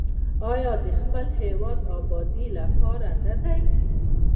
آیا د خپل هیواد د ابادۍ لپاره نه ده؟